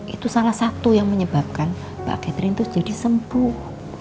itu salah satu yang menyebabkan mbak catherine jadi sembuh